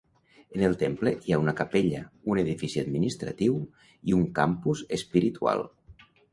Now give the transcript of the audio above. En el temple hi ha una capella, un edifici administratiu, i un campus espiritual.